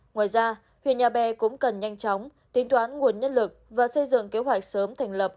ngoài ra huyện nhà bè cũng cần nhanh chóng tính toán nguồn nhân lực và xây dựng kế hoạch sớm thành lập